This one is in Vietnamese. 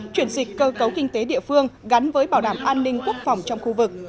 chuyển dịch cơ cấu kinh tế địa phương gắn với bảo đảm an ninh quốc phòng trong khu vực